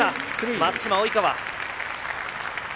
松島、及川。